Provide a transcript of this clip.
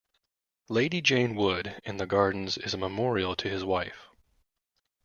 Lady Jane Wood in the gardens is a memorial to his wife.